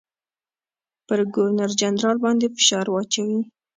پر ګورنرجنرال باندي فشار واچوي.